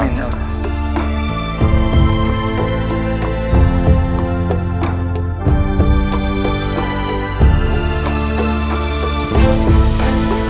amin ya allah